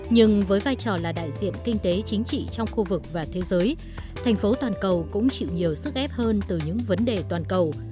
nhưng với vai trò là đại diện kinh tế chính trị trong khu vực và thế giới thành phố toàn cầu cũng chịu nhiều sức ép hơn từ những vấn đề toàn cầu